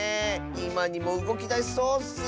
いまにもうごきだしそうッス。